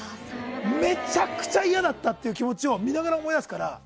めちゃくちゃ嫌だったって気持ちを、見ながら思い出すから。